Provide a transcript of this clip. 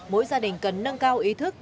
mỗi gia đình cần nâng cao ý thức